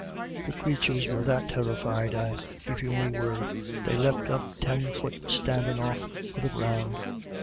The crathurs were that terrified, I give you me word they lep up ten fut standin* off of the ground."